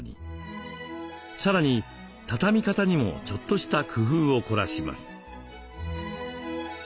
さらに畳み方にもちょっとした工夫を凝らします。